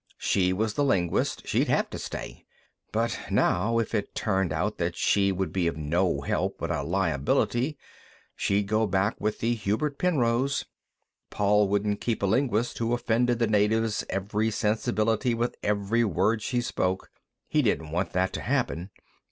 She was the linguist; she'd have to stay. But now, if it turned out that she would be no help but a liability, she'd go back with the Hubert Penrose. Paul wouldn't keep a linguist who offended the natives' every sensibility with every word she spoke. He didn't want that to happen.